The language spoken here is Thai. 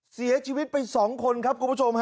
เสียชีวิตไป๒คนครับคุณผู้ชมฮะ